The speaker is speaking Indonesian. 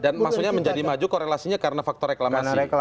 dan maksudnya menjadi maju korelasinya karena faktor reklamasi